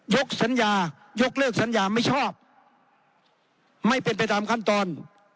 สัญญายกเลิกสัญญาไม่ชอบไม่เป็นไปตามขั้นตอน